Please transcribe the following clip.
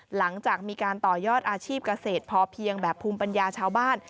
หลังจากมีการต่อยอดอาชีพเกษตรพอเพียงแบบภูมิปัญญาชาวบ้าน